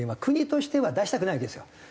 国としては出したくないんですよ。